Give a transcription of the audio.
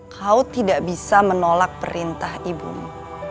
kau tidak bisa menolak perintah ibumu